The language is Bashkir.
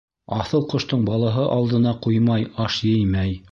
Аҫыл ҡоштоң балаһы алдына ҡуймай аш еймәй.